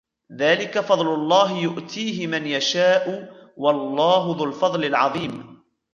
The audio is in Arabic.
ذلك فضل الله يؤتيه من يشاء والله ذو الفضل العظيم